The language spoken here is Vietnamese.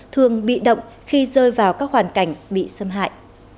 thường bị động khi rơi vào các hoàn cảnh bị xâm hại